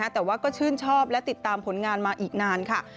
แต่ว่าก็ชื่นชอบและติดตามผลงานมาอีกนานค่ะ